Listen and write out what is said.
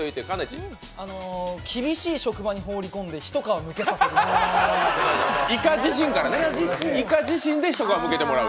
厳しい職場に放り込んで一皮むけてもらう。